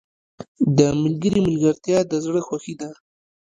• د ملګري ملګرتیا د زړه خوښي ده.